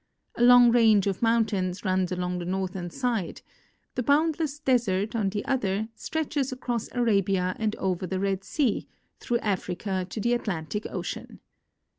A long range of mountains runs along the northern side ; the boundless desert, on the other, stretches across Arabia and over the Red sea, through Africa to the Atlantic ocean.